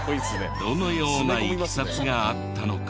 どのようないきさつがあったのか？